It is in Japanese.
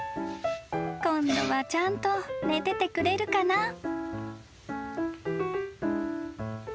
［今度はちゃんと寝ててくれるかな？］